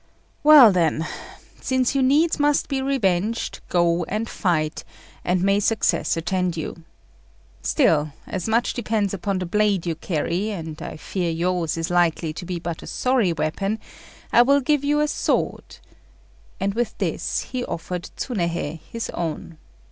"Well, then, since you needs must be revenged, go and fight, and may success attend you! Still, as much depends upon the blade you carry, and I fear yours is likely to be but a sorry weapon, I will give you a sword;" and with this he offered Tsunéhei his own.